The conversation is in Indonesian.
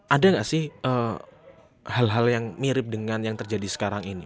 ada nggak sih hal hal yang mirip dengan yang terjadi sekarang ini